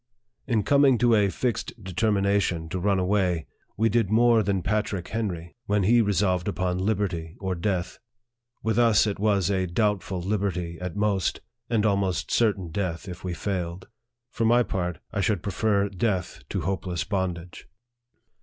In coming to a fixed determination to run away, we did more than Patrick Henry, when he resolved upon 86 NARRATIVE OF THE liberty or death. With us it was a doubtful liberty at most, and almost certain death if we failed. For my part, I should prefer death to hopeless bondage.